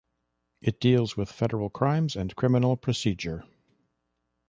It deals with federal crimes and criminal procedure.